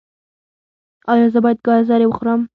ایا زه باید ګازرې وخورم؟